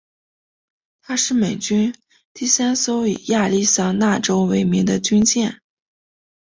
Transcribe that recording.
她是美军第三艘以亚利桑那州为名的军舰。